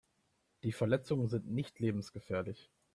Die Verletzungen sind nicht lebensgefährlich.